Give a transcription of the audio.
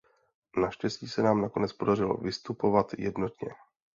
Naštěstí se nám nakonec podařilo vystupovat jednotně.